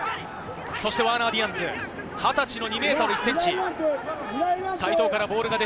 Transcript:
そしてワーナー・ディアンズ、２０歳の２ｍ１ｃｍ。